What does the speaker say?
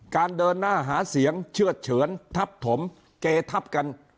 การเดินหน้าหาเสียงเชื่อดเฉินทับถมเกทับกัน